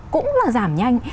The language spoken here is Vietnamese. cũng là giảm nhanh